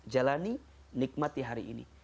jalani nikmat di hari ini